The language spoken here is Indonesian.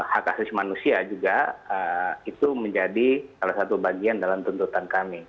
hak asasi manusia juga itu menjadi salah satu bagian dalam tuntutan kami